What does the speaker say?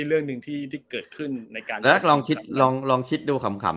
เรื่องหนึ่งที่เกิดขึ้นในการแรกลองคิดลองคิดดูขำ